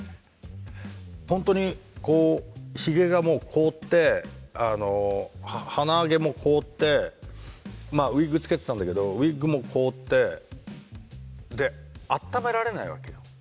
本当にこうひげがもう凍ってあの鼻毛も凍ってまあウイッグつけてたんだけどウイッグも凍ってで温められないわけよ。